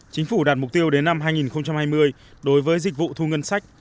chính phủ đạt mục tiêu đến năm hai nghìn hai mươi đối với dịch vụ thu ngân sách